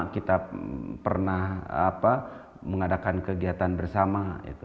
kita pernah mengadakan kegiatan bersama